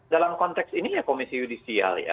dalam konteks ini ya komisi yudisial ya